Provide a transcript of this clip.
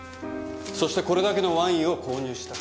そしてこれだけのワインを購入した。